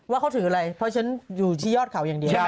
ว่าเขาถืออะไรเพราะฉันอยู่ที่ยอดเขาอย่างเดียว